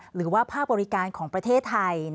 หรือว่าภาคบริการของประเทศไทย